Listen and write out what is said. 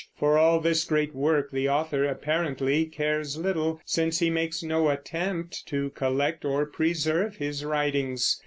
For all this great work the author apparently cares little, since he makes no attempt to collect or preserve his writings.